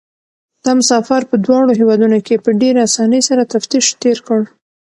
دا مسافر په دواړو هېوادونو کې په ډېرې اسانۍ سره تفتيش تېر کړ.